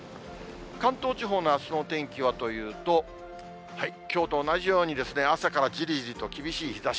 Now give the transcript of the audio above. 関東地方のあすの天気はというと、きょうと同じように、朝からじりじりと厳しい日ざし。